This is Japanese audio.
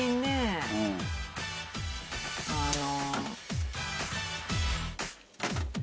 あの。